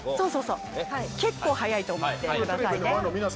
結構、速いと思ってくださいね。